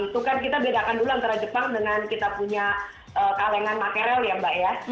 itu kan kita bedakan dulu antara jepang dengan kita punya kalengan makerel yang mentah